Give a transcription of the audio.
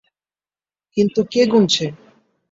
কিন্তু কে গুনছে?